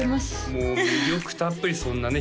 もう魅力たっぷりそんなね